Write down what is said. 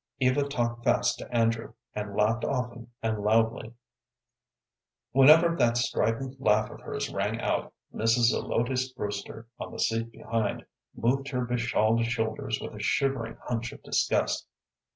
Eva talked fast to Andrew, and laughed often and loudly. Whenever that strident laugh of hers rang out, Mrs. Zelotes Brewster, on the seat behind, moved her be shawled shoulders with a shivering hunch of disgust.